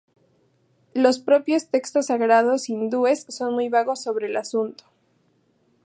Los propios textos sagrados hindúes son muy vagos sobre el asunto.